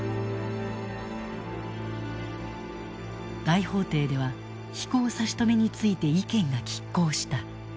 大法廷では飛行差し止めについて意見が拮抗した。